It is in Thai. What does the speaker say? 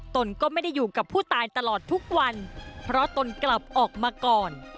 ตนก็ไม่ได้อยู่กับผู้ตายตลอดทุกวันเพราะตนกลับออกมาก่อน